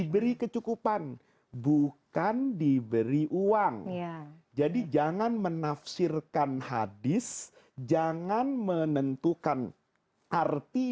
bergaji besar nikah lagi